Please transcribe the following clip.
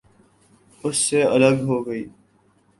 اس سے الگ ہو گئی۔